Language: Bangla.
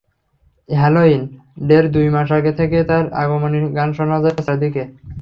হ্যালোইন ডের দুই মাস আগে থেকে তার আগমনী গান শোনা যায় চারদিকে।